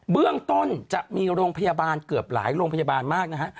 เบื้องต้นจะมีโรงพยาบาลเกือบหลายโรงพยาบาลมากนะฮะ